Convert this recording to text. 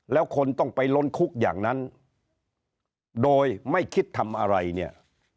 แล้วคนต้องไปล้นคุกอย่างนั้นโดยไม่คิดทำอะไรเนี่ย